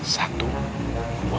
satu dua tiga